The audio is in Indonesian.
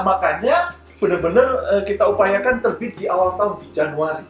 makanya benar benar kita upayakan terbit di awal tahun januari